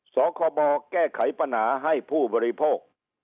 สคบแก้ไขปัญหาให้ผู้บริโภค